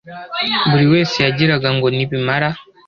buri wese yagiraga ngo nibamara